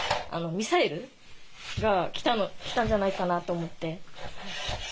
ミサイルが来たんじゃないかなと思って。